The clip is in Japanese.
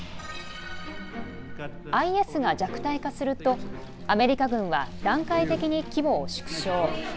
ＩＳが弱体化するとアメリカ軍は段階的に規模を縮小。